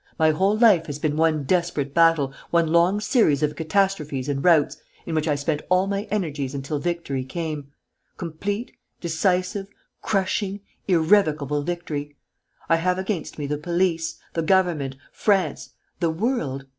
My whole life has been one desperate battle, one long series of catastrophes and routs in which I spent all my energies until victory came: complete, decisive, crushing, irrevocable victory. I have against me the police, the government, France, the world.